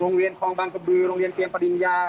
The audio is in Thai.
โรงเรียนคลองบางกระบือโรงเรียนเตรียมปริญญา